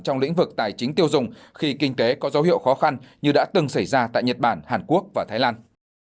trong lĩnh vực tài chính tiêu dùng khi kinh tế có dấu hiệu khó khăn như đã từng xảy ra tại nhật bản hàn quốc và thái lan